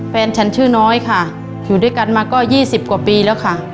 แฟนฉันชื่อน้อยค่ะอยู่ด้วยกันมาก็๒๐กว่าปีแล้วค่ะ